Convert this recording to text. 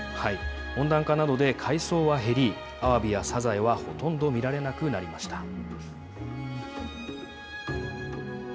温暖化などで海藻は減り、アワビやサザエはほとんど見られなくなりました。